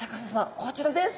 こちらです。